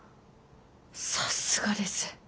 さすがです。